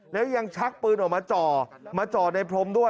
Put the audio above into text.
แล้วยังชักปืนออกมาจ่อมาจ่อในพรมด้วย